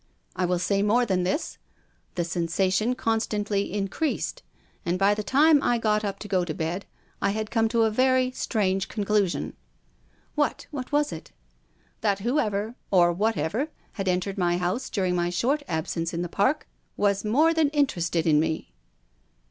I will say more than this — the sensation con stantly increased, and, by the time I got up to go to bed, I had come to a very strange conclusion." "What? What was it?" " That whoever — or whatever — had entered my house during my short absence in the Park was more than interested in me."